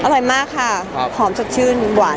อร่อยมากค่ะหอมสดชื่นหวาน